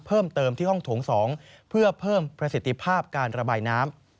เพิ่มเติมที่ห้องโถง๒เพื่อเพิ่มประสิทธิภาพการระบายน้ำ